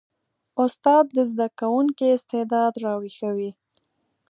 استاد د زده کوونکي استعداد راویښوي.